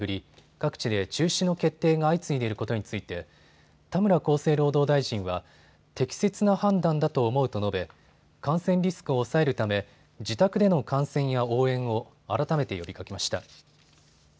各地で中止の決定が相次いでいることについて田村厚生労働大臣は適切な判断だと思うと述べ、感染リスクを抑えるため自宅での観戦や応援を改めて呼びかけました。